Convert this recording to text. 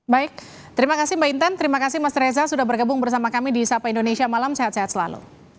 baik terima kasih mbak intan terima kasih mas reza sudah bergabung bersama kami di sapa indonesia malam sehat sehat selalu